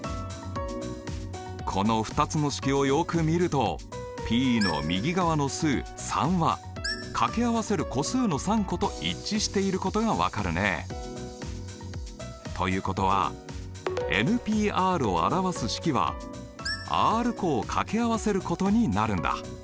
この２つの式をよく見るとＰの右側の数３はかけ合わせる個数の３個と一致していることが分かるね。ということはＰを表す式はｒ個をかけ合わせることになるんだ。